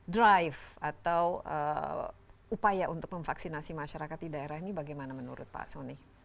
drive atau upaya untuk memvaksinasi masyarakat di daerah ini bagaimana menurut pak soni